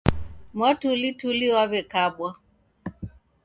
Mwatulituli wawekabwa